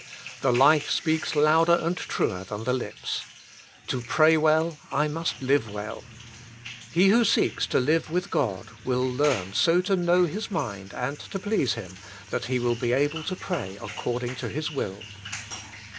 The life speaks louder and truer than the lips. To pray well I must live well. He who seeks to live with God, will learn so to know His mind and to please Him, that he will be able to pray accord ing to His will.